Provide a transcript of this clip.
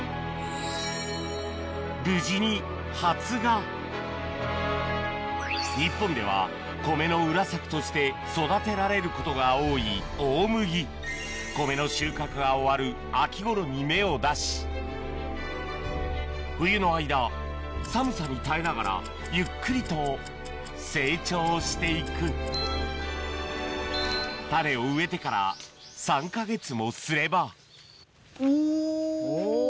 無事に発芽日本では米の裏作として育てられることが多い大麦秋ごろ冬の間寒さに耐えながらゆっくりと成長していく種を植えてから３か月もすればおぉ！